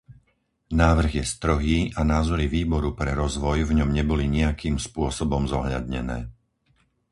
Návrh je strohý a názory Výboru pre rozvoj v ňom neboli nijakým spôsobom zohľadnené.